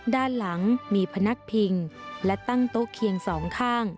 ด้านหลังมีพนักพิงและตั้งโต๊ะเคียงสองข้าง